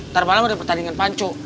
ntar malam ada pertandingan panco